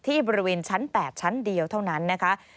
ที่บริเวณชั้น๘ชั้นเดียวเท่านั้นนะคะ